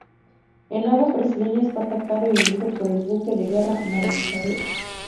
En aguas brasileñas fue atacado y hundido por el buque de guerra "Maria Isabel".